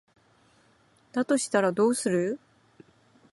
だとしたらどうする？